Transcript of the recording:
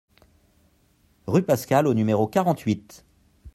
Rue Pascal au numéro quarante-huit